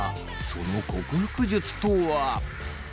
その克服術とは？